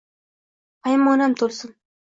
poymonam to’lsin.